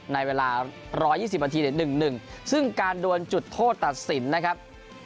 ในเวลา๑๒๐นาที๑๑ซึ่งการดวนจุดโทษตัดสินนะครับ